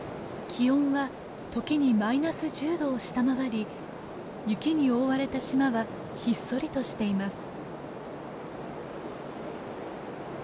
気温は時にマイナス１０度を下回り雪に覆われた島はひっそりとしています。